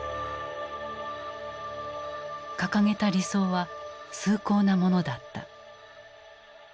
掲げた理想は崇高なものだった。